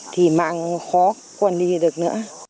thì mạng khó quản lý được nữa